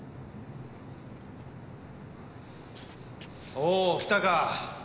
おお来たか。